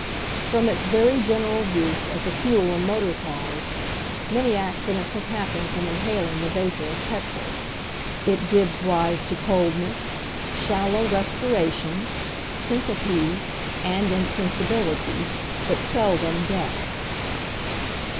From its very general use as a fuel in motor cars many accidents have happened from inhaling the vapour of petrol. It gives rise to coldness, shallow respiration, syncope, and insensibility, but seldom death.